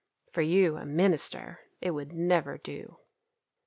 For you, a minister, it would never do."